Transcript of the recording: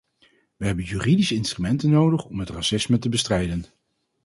Wij hebben juridische instrumenten nodig om het racisme te bestrijden.